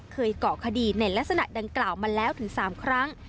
เกาะคดีในลักษณะดังกล่าวมาแล้วถึง๓ครั้ง